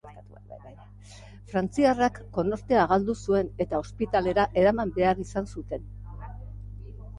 Frantziarrak konortea galdu zuen eta ospitalera eraman behar izan zuten.